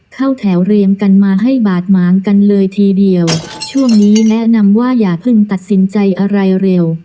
เข้าแถวเรียงกันมาให้บาดหมางกันเลยทีเดียวช่วงนี้แนะนำว่าอย่าเพิ่งตัดสินใจอะไรเร็ว